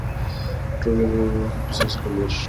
Rutherford: "En este disco empezamos a cambiar.